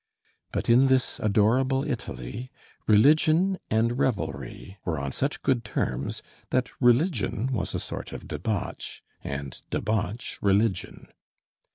But in this adorable Italy religion and revelry were on such good terms that religion was a sort of debauch and debauch religion.